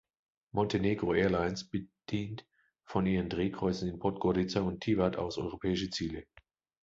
Montenegro Airlines bedient von ihren Drehkreuzen in Podgorica und Tivat aus europäische Ziele.